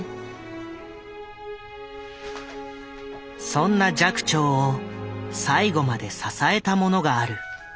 そんな寂聴を最後まで支えたものがある。